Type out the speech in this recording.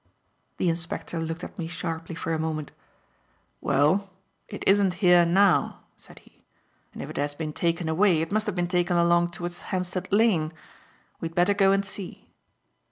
The inspector looked at me sharply for a moment. "Well, it isn't here now," said he, "and if it has been taken away, it must have been taken along towards Hampstead Lane. We'd better go and see."